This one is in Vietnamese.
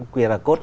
quyền là cốt